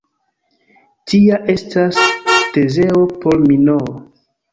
Tia estas Tezeo por Minoo.